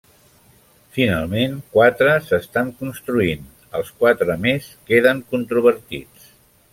Finalment quatre s'estan construint, els quatre més queden controvertits.